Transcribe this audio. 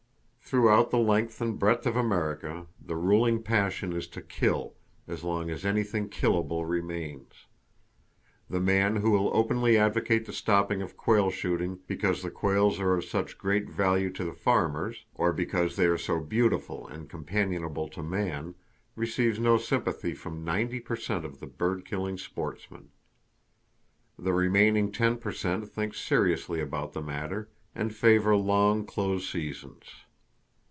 Throughout the length and breadth of America, the ruling passion is to kill as long as anything killable remains. The man who will openly advocate the stopping of quail shooting because the quails are of such great value to the farmers, or because they are so beautiful and companionable to man, receives no sympathy from ninety per cent of the bird killing sportsmen. The remaining ten per cent think seriously about the matter, and favor long close seasons.